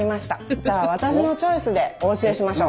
じゃあ私のチョイスでお教えしましょう。